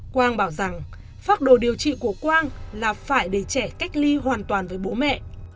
quang bảo rằng phác đồ điều trị của quang là phải để trẻ cách ly hoàn toàn với bố mẹ